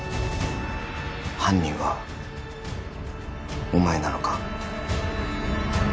犯人はお前なのか？